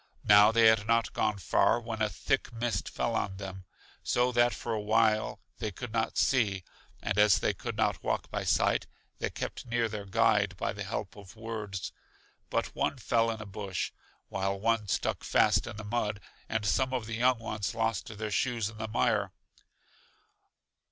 Now they had not gone far, when a thick mist fell on them, so that for a while they could not see; and as they could not walk by sight, they kept near their guide by the help of words. But one fell in a bush, while one stuck fast in the mud, and some of the young ones lost their shoes in the mire.